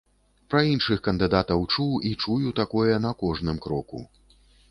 Пра іншых кандыдатаў чуў і чую такое на кожным кроку.